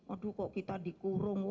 aduh kok kita dikurung